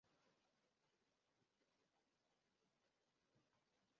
Wao ni wadudu mbuai na hula wadudu wengine wadogo, kwa mfano.